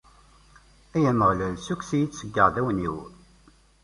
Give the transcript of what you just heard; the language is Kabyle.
Ay Ameɣlal, ssukkes-iyi-d seg yiɛdawen-iw.